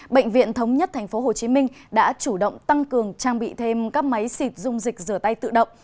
bệnh viện thống nhất tp hcm đã chủ động tăng cường trang bị thêm các máy xịt dung dịch rửa tay tự động